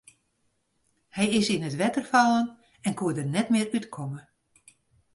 Hy is yn it wetter fallen en koe der net mear út komme.